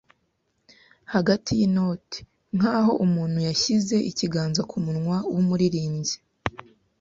hagati yinoti, nkaho umuntu yashyize ikiganza kumunwa wumuririmbyi.